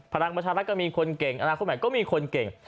ประธานปัชฌาติก็มีคนเก่งอนาคตใหม่ก็มีคนเก่ง